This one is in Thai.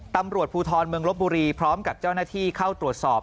ตำรวจภูทรเมืองลบบุรีพร้อมกับเจ้าหน้าที่เข้าตรวจสอบ